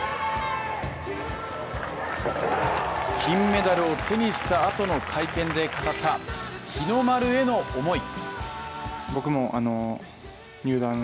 金メダルを手にしたあとの会見で語った日の丸への思い。